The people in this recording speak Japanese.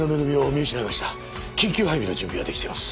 緊急配備の準備はできています。